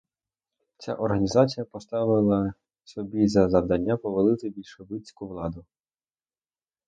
Ця організація поставила собі за завдання повалити більшовицьку владу.